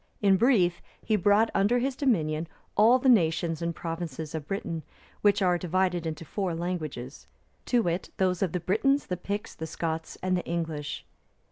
In brief, he brought under his dominion all the nations and provinces of Britain, which are divided into four languages, to wit, those of the Britons, the Picts, the Scots, and the English.